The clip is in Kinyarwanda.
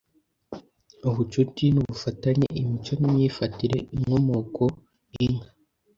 ubucuti n’ubufatanye, imico n’imyifatire, inkomoko, inka,